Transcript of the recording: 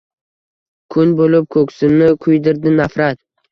Kun bo’lib ko’ksimni kuydirdi nafrat.